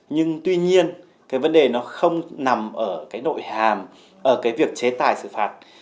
nhưng tuy nhiên cái vấn đề nó không nằm ở cái nội hàm ở cái việc chế tài xử phạt